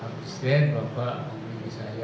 habis itu bapak memilih saya